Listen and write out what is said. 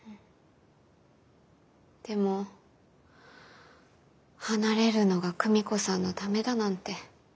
でも離れるのが久美子さんのためだなんて。